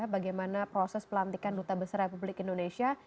bagaimana proses pelantikan duta besar republik indonesia